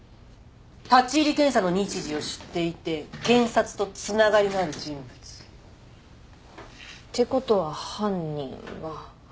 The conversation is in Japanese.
立入検査の日時を知っていて検察とつながりのある人物。ってことは犯人は。